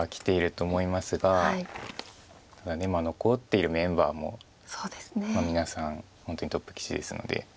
ただ残っているメンバーも皆さん本当にトップ棋士ですので。